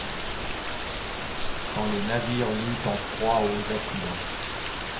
Quand lé navire lutte en proie aux aquilons !